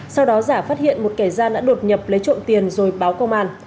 sau đó giả phát hiện một kẻ gian đã đột nhập lấy trộm tiền rồi báo công an